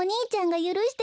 ゆるして。